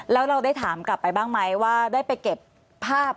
แล้วเราได้ถามกลับไปบ้างไหมว่าได้ไปเก็บภาพ